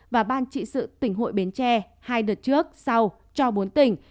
và ban trị sự tỉnh hội bến tre hai đợt trước sau cho bốn tỉnh